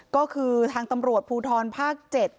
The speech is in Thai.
ก็คือทางตำรวจภูทรภาค๗